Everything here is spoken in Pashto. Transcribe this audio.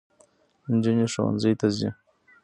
نجونې ښوونځي ته ځي.